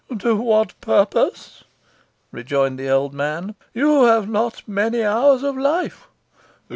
"To what purpose?" rejoined the old man. "You have not many hours of life.